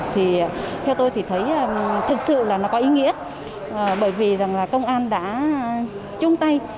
theo tôi thì thấy thực sự là nó có ý nghĩa bởi vì công an đã chung tay